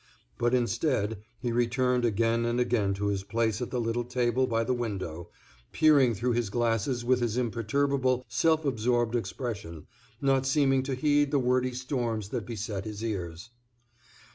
But instead, he returned again and again to his place at the little table by the window, peering through his glasses with his imperturbable, self absorbed expression, not seeming to heed the wordy storms that beset his ears.